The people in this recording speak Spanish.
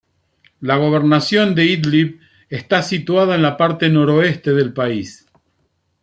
La gobernación de Idlib está situada en la parte noroeste del país.